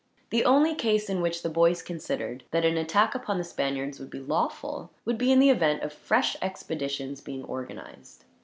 The only case in which the boys considered that an attack upon the Spaniards would be lawful, would be in the event of fresh expeditions being organized.